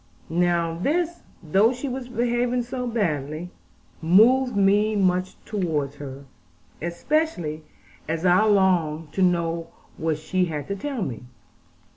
Now this, though she was behaving so badly, moved me much towards her; especially as I longed to know what she had to tell me.